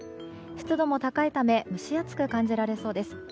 湿度も高いため蒸し暑く感じられそうです。